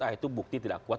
ah itu bukti tidak kuat